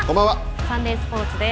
サンデースポーツです。